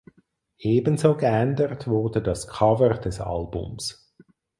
Ebenso geändert wurde das Cover des Albums.